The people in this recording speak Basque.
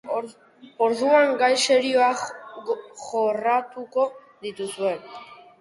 Orduan, gai serioak jorratuko dituzue.